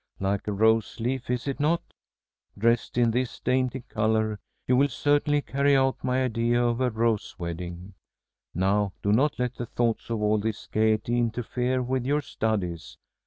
Like a rose leaf, is it not? Dressed in this dainty color, you will certainly carry out my idea of a rose wedding. Now do not let the thoughts of all this gaiety interfere with your studies.